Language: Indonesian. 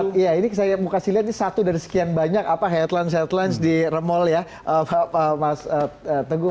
dan ini saya mau kasih lihat ini satu dari sekian banyak apa headlines headlines di remol ya mas teguh